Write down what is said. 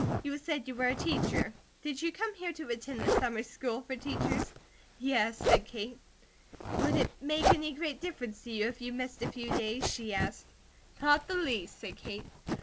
You said you were a teacher. Did you come here to attend the Summer School for Teachers?" "Yes," said Kate. "Would it make any great difference to you if you missed a few days?" she asked. "Not the least," said Kate.